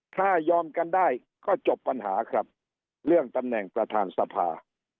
ถ้ายอมกันได้ก็จบปัญหาครับเรื่องตำแหน่งประธานสภา